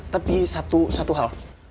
tapi satu hal